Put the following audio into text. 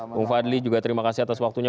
bung fadli juga terima kasih atas waktunya